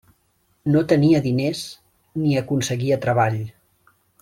No tenia diners ni aconseguia treball.